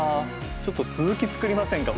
ちょっと続き作りませんか？